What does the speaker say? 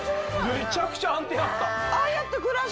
めちゃくちゃ安定だった。